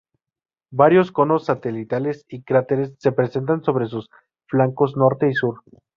Varios conos satelitales y cráteres se presentan sobre sus flancos norte y sur.